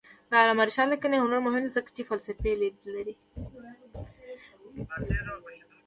د علامه رشاد لیکنی هنر مهم دی ځکه چې فلسفي لید لري.